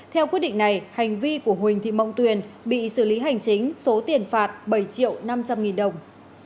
theo quyết định này hành vi của huỳnh thị mộng tuyền bị xử lý hành chính số tiền phạt bảy triệu năm trăm linh nghìn đồng